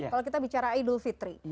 kalau kita bicara idul fitri